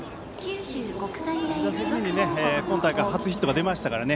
２打席目に、今大会初ヒットが出ましたからね